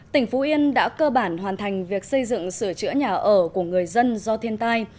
tỉnh phú yên đã cơ bản hoàn thành việc xây dựng sửa chữa nhà ở của người dân do thiên tai